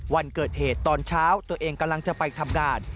วันเกิดเหตุตอนเช้าตัวเองกำลังจะไปทำงาน